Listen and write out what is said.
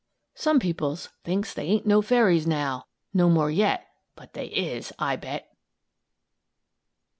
"Some peoples thinks they ain't no Fairies now, No more yet! But they is, I bet!"